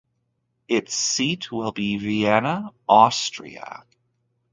Its seat will be Vienna, Austria.